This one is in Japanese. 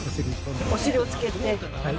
お尻をつけて。